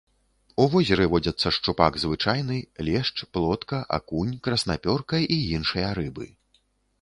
У возеры водзяцца шчупак звычайны, лешч, плотка, акунь, краснапёрка і іншыя рыбы.